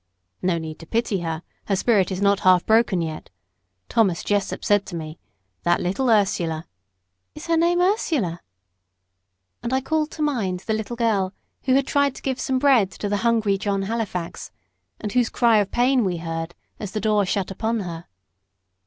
"No need to pity her; her spirit is not half broken yet. Thomas Jessop said to me, 'That little Ursula '" "Is her name Ursula?" And I called to mind the little girl who had tried to give some bread to the hungry John Halifax, and whose cry of pain we heard as the door shut upon her.